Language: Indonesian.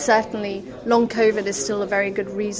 covid jangka panjang masih sebuah alasan yang baik